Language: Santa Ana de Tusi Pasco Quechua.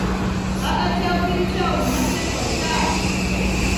Qaqa chawpinchawmi machakway taaran.